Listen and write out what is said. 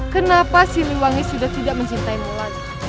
kenapa siliwangi sudah tidak mencintaimu lagi